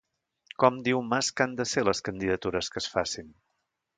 Com diu Mas que han de ser les candidatures que es facin?